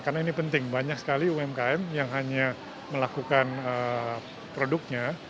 karena ini penting banyak sekali umkm yang hanya melakukan produknya